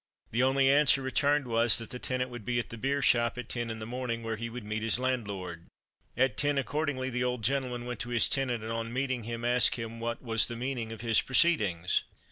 The only answer returned was, that the tenant would be at "the beer shop" at ten in the morning, where he would meet his landlord. At ten, accordingly, the old gentleman went to his tenant, and on meeting him asked him what was the meaning of his proceedings.